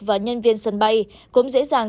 và nhân viên sân bay cũng dễ dàng